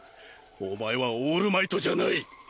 おまえはオールマイトじゃない。